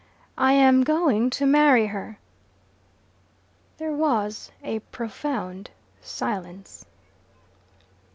"I am going to marry her." There was a profound silence.